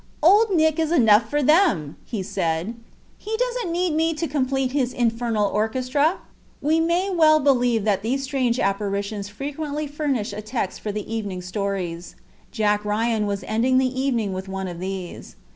"Old Nick is enough for them!" said he. "He doesn't need me to complete his infernal orchestra." We may well believe that these strange apparitions frequently furnished a text for the evening stories. Jack Ryan was ending the evening with one of these.